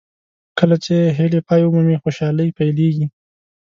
کله چې هیلې پای ومومي خوشالۍ پیلېږي.